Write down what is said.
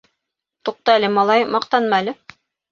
— Туҡта әле, малай, маҡтанма әле.